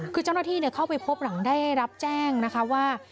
คือเจ้าหน้าที่เข้าไปพบหลังได้รับแจ้งนะคะว่า